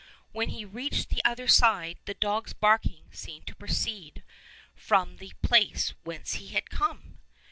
When he reached the other side the dog's barking seemed to proceed from the place whence he had come.